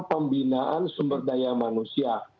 pembinaan sumber daya manusia